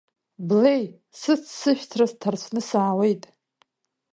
Блеи, сыццышәҭра ҭарцәны саауеит.